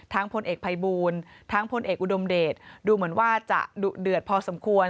พลเอกภัยบูลทั้งพลเอกอุดมเดชดูเหมือนว่าจะดุเดือดพอสมควร